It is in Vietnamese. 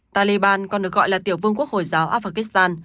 taliban còn được gọi là tiểu vương quốc hồi giáo afghanistan